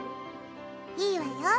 いいわよ。